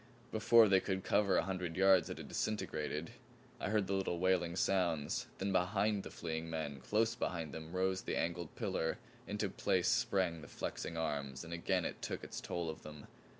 Before they could cover a hundred yards it had disintegrated. I heard the little wailing sounds then behind the fleeing men, close behind them, rose the angled pillar; into place sprang the flexing arms, and again it took its toll of them.